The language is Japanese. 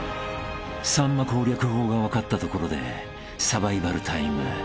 ［さんま攻略法が分かったところでサバイバルタイム］